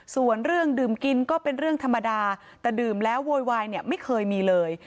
ส่วนเรื่องดื่มกินก็เป็นเรื่องธรรมดาแต่ดื่มแล้วโวยวายเนี่ยไม่เคยมีเลย